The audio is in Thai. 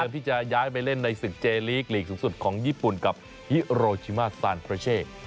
ที่จะย้ายไปเล่นในศึกเจลีกลีกสูงสุดของญี่ปุ่นกับฮิโรชิมาสตานโครเช่